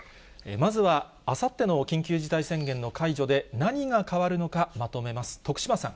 まずはあさっての緊急事態宣言の解除で、何が変わるのか、まとめます。